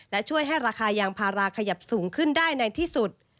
และช่วยให้ราคายางพาราขยับสูงขึ้นได้ในที่สุด